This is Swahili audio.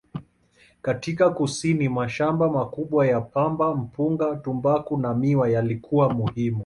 Katika kusini, mashamba makubwa ya pamba, mpunga, tumbaku na miwa yalikuwa muhimu.